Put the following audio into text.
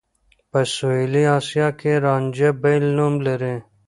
په سوېلي اسيا کې رانجه بېل نوم لري.